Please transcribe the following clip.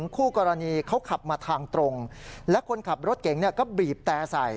นี่ลูกเราอยู่ในบ้านเรายังไม่ยินกันเสียงบีบแต่